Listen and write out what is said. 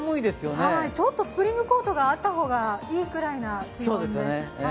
スプリングコートがあった方がいいくらいな気温です。